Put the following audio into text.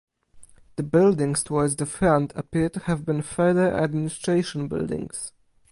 The buildings towards the front appear to have been further administration buildings.